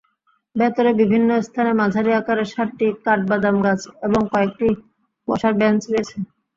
ভেতরে বিভিন্ন স্থানে মাঝারি আকারের সাতটি কাঠবাদামগাছ এবং কয়েকটি বসার বেঞ্চ রয়েছে।